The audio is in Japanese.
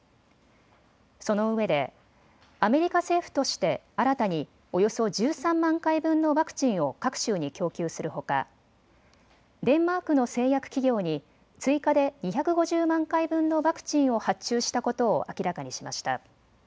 そのうえでアメリカ政府として新たにおよそ１３万回分のワクチンを各州に供給するほかデンマークの製薬企業に追加で２５０万回分のワクチンを発注したことを明らかにしました。